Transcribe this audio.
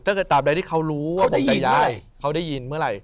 ถ้าเก่งตามใดที่เขารู้เขาได้ยินเมื่อไหร่